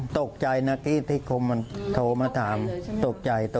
ตกใจนะที่โทรมาถามตกใจ